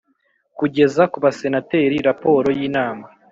kugeza ku Basenateri raporo y Inama